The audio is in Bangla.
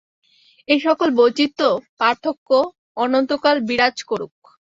এই-সকল বৈচিত্র্য পার্থক্য অনন্তকাল বিরাজ করুক।